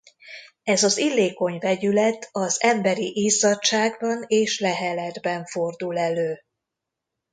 Ez az illékony vegyület az emberi izzadságban és leheletben fordul elő.